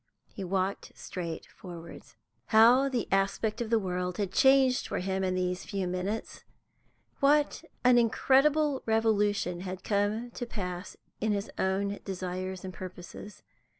He walked straight forwards. How the aspect of the world had changed for him in these few minutes; what an incredible revolution had come to pass in his own desires and purposes!